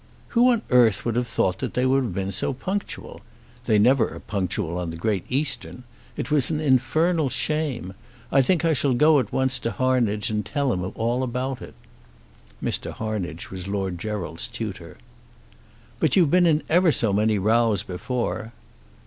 "Who on earth would have thought that they'd have been so punctual? They never are punctual on the Great Eastern. It was an infernal shame. I think I shall go at once to Harnage and tell him all about it." Mr. Harnage was Lord Gerald's tutor. "But you've been in ever so many rows before."